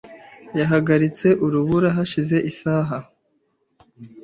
Yahagaritse urubura hashize isaha.